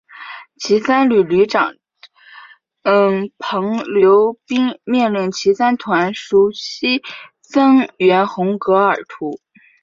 骑三旅旅长彭毓斌命令骑三团悉数增援红格尔图。